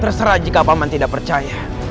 terserah jika paman tidak percaya